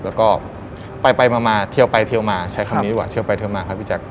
แล้วก็ไปมาเที่ยวไปเทียวมาใช้คำนี้ดีกว่าเทียวไปเทียวมาครับพี่แจ๊